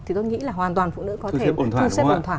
thì tôi nghĩ là hoàn toàn phụ nữ có thể thu xếp ổn thỏa